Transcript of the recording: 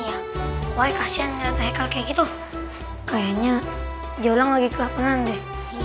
hai hai think yoi kasihan dia ke kali itu kayaknya jailang lagi kapanan nih